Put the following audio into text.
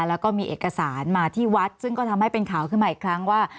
แล้วก็มีเอกสารมาที่วัดซึ่งก็ทำให้เป็นข่าวขึ้นมาอีกครั้งว่า